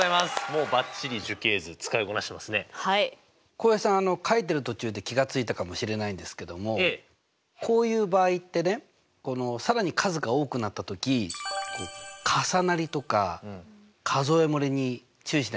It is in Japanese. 浩平さん書いてる途中で気が付いたかもしれないんですけどもこういう場合ってね更に数が多くなった時重なりとか数えもれに注意しないといけませんよね。